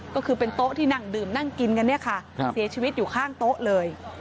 ก็คือเป็นโต๊ะที่นั่งดื่มนั่งกินกันเนี่ยค่ะเสียชีวิตอยู่ข้างโต๊ะเลย